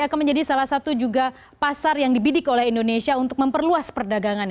akan menjadi salah satu juga pasar yang dibidik oleh indonesia untuk memperluas perdagangan